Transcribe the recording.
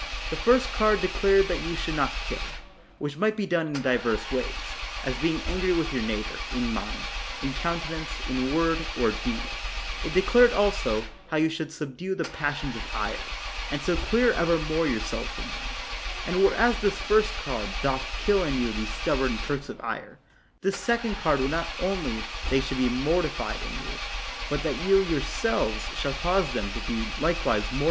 The first card declared that you should not kill, which might be done in divers ways, as being angry with your neighbor, in mind, in counte nance, in word, or deed ; it declared also, how you should subdue the passions of ire, and so clear evermore yourselves from them. And whereas this first card doth kill in you these stubborn Turks of ire, this second card will not only they should be mortified in you, but that you your selves shall cause them to be likewise mortified in 1 Preached at Cambridge in 1529, being one of the two sermons M on the card.